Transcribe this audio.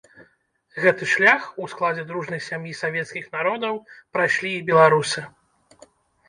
Гэты шлях у складзе дружнай сям'і савецкіх народаў прайшлі і беларусы.